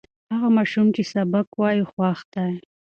هغه ماشوم چې سبق وایي، خوښ دی.